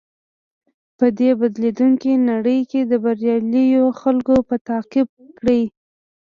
په دې بدليدونکې نړۍ کې د برياليو خلکو پل تعقيب کړئ.